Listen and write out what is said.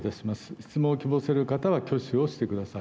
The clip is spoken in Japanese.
質問を希望する方は挙手をしてください。